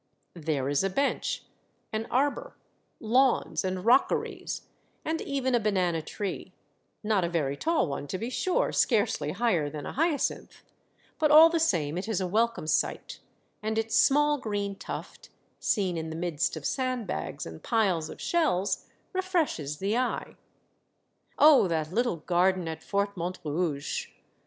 There is a bench, an arbor, lawns, and rockeries, and even a banana tree, not a very tall one, to be sure, scarcely higher than a hyacinth ; but all the same it is a welcome sight, and its small green tuft, seen in the midst of sandbags and piles of shells, refreshes the eye. I02 Monday Tales, Oh ! that little garden at Fort Montrouge